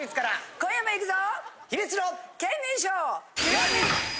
今夜もいくぞ！